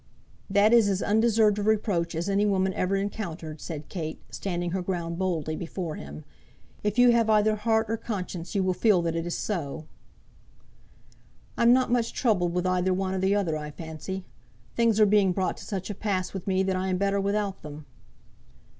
"That is as undeserved a reproach as any woman ever encountered," said Kate, standing her ground boldly before him. "If you have either heart or conscience, you will feel that it is so." "I'm not much troubled with either one or the other, I fancy. Things are being brought to such a pass with me that I am better without them."